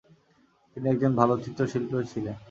তিনি একজন ভালো চিত্রশিল্পীও ছিলেন।